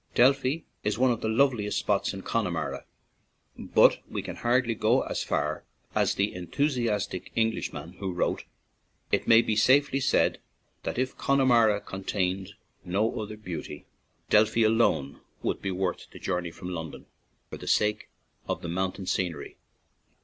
Delphi is one of the loveliest spots in Connemara, but we can hardly go as far as the en thusiastic Englishman who wrote: "It may be safely said that if Connemara contained no other beauty, Delphi alone would be worth the journey from Lon don, for the sake of the mountain scenery."